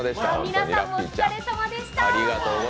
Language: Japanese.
皆さんもお疲れさまでした。